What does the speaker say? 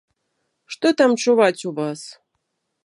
Што там чуваць у вас?